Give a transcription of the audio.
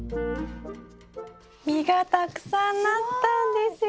実がたくさんなったんですよ。